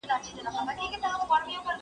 پېښوری په عزيزخان کڅ کښې په تمه